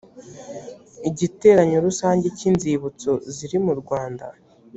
igiteranyo rusange cy inzibutso ziri mu rwanda